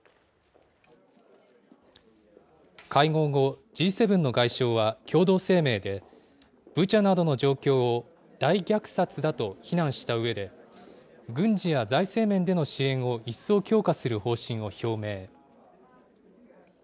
会合後、Ｇ７の外相は共同声明で、ブチャなどの状況を大虐殺だと非難したうえで、軍事や財政面での支援を一層強化する方針を表明。